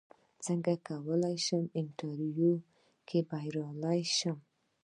څنګه کولی شم په انټرویو کې بریالی شم